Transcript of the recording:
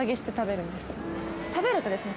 「食べるとですね